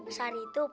kalau shari itu